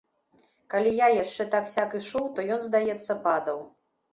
Калі я яшчэ сяк-так ішоў, то ён, здаецца, падаў.